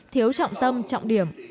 thiếu trọng tâm trọng điểm